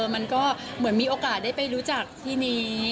มันก็เหมือนมีโอกาสได้ไปรู้จักที่นี้